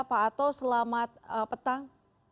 pak ato selamat petang